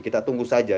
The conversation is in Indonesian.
kita tunggu saja